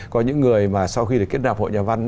có những người mà sau khi được kết nạp hội nhà văn